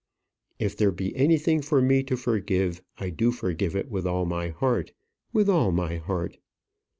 "If there be anything for me to forgive, I do forgive it with all my heart; with all my heart."